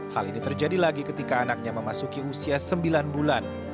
hal ini terjadi lagi ketika anaknya memasuki usia sembilan bulan